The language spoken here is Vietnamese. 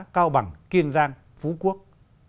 cao bằng kiên giang phú quốc